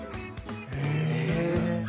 へえ。